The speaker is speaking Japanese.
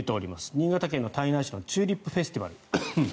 新潟県胎内市のチューリップフェスティバル。